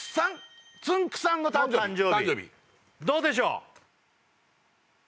あっどうでしょう？